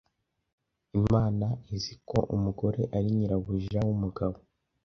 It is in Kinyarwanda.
imana izi ko umugore ari nyirabuja wumugabo